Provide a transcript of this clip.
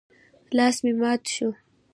لاس مې مات شو.